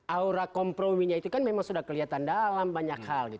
aura komprominya itu kan memang sudah kelihatan dalam banyak hal